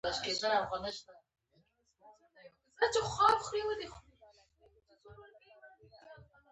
نبي علیه السلام له هغه ځایه معراج ته ختلی.